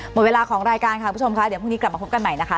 หมดเวลาของรายการค่ะคุณผู้ชมค่ะเดี๋ยวพรุ่งนี้กลับมาพบกันใหม่นะคะ